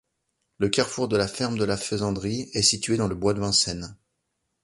Le carrefour de la Ferme-de-la-Faisanderie est situé dans le bois de Vincennes.